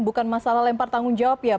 bukan masalah lempar tanggung jawab ya pak wali